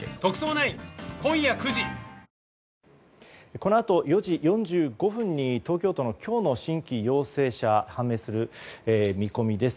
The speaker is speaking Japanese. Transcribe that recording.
このあと４時４５分に東京都の今日の新規陽性者が判明する見込みです。